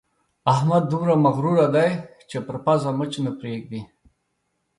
احمد دومره مغروره دی چې پر پزه مچ نه پرېږدي.